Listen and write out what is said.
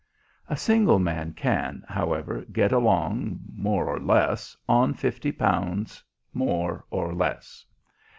A single man can, however, get along, more or less, on fifty pounds more or less.